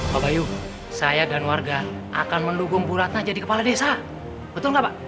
pak bayu saya dan warga akan mendukung bu ratna jadi kepala desa betul nggak pak